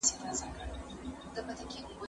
زه اوس سړو ته خواړه ورکوم!؟